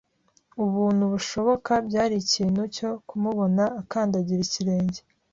ubuntu bushoboka. Byari ikintu cyo kumubona akandagira ikirenge